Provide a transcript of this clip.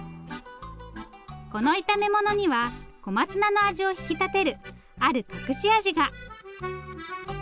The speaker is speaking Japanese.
この炒め物には小松菜の味を引き立てるある隠し味が。